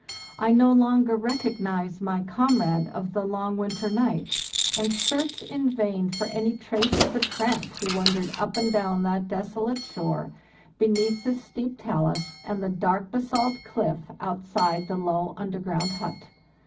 I no longer rec ognize my comrade of the long winter night, and search in vain for any trace of the tramp who wandered up and down that desolate shore, beneath the steep talus and the dark basalt cliff, outside the low underground hut.